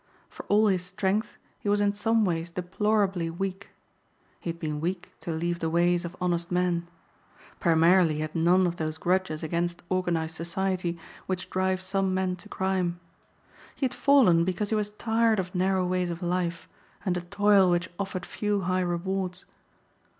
For all his strength he was in some ways deplorably weak. He had been weak to leave the ways of honest men. Primarily he had none of those grudges against organized society which drive some men to crime. He had fallen because he was tired of narrow ways of life and a toil which offered few high rewards.